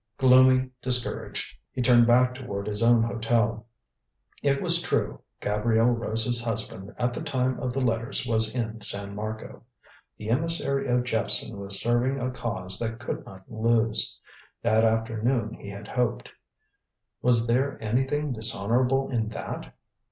Gloomy, discouraged, he turned back toward his own hotel. It was true, Gabrielle Rose's husband at the time of the letters was in San Marco. The emissary of Jephson was serving a cause that could not lose. That afternoon he had hoped. Was there anything dishonorable in that?